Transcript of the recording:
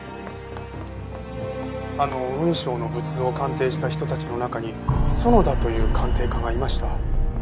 あの雲尚の仏像を鑑定した人たちの中に園田という鑑定家がいました。